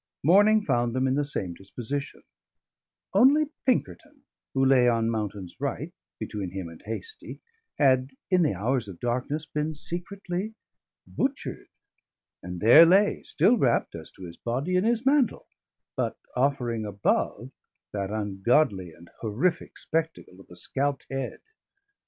Morning found them in the same disposition; only Pinkerton, who lay on Mountain's right, between him and Hastie, had (in the hours of darkness) been secretly butchered, and there lay, still wrapped as to his body in his mantle, but offering above that ungodly and horrific spectacle of the scalped head.